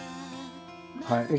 はい。